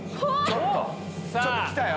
ちょっと来たよ！